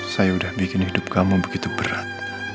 saya udah bikin hidup kamu begitu berat